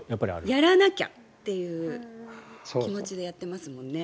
やらなきゃという気持ちでやってますもんね。